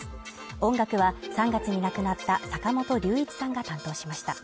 音楽は３月に亡くなった坂本龍一さんが担当しました。